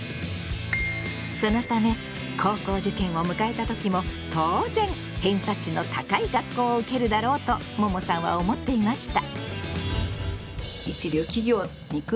そのため高校受験を迎えた時も当然偏差値の高い学校を受けるだろうとももさんは思っていました。